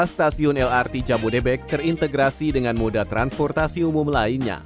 delapan belas stasiun lrt cabodebek terintegrasi dengan moda transportasi umum lainnya